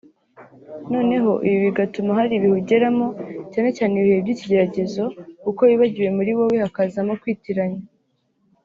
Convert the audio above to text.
noneho ibi bigatuma hari ibihe ugeramo (cyane cyane ibihe by’ikigeragezo) kuko wibagiwe muri wowe hakazamo kwitiranya